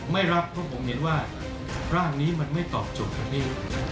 ไม่รับเพราะผมเห็นว่าร่างนี้มันไม่ตอบโจทย์ตรงนี้